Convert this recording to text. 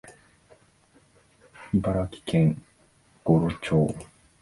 茨城県五霞町